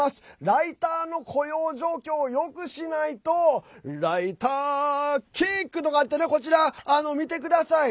ライターの雇用状況をよくしないとライターキック！とかってねこちら、見てください。